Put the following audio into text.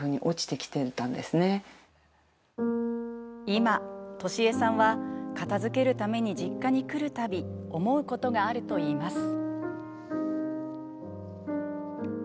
今、としえさんは片づけるために実家に来る度思うことがあるといいます。